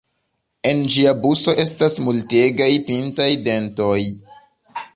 En ĝia buso estas multegaj pintaj dentoj.